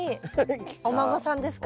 お孫さんですかね？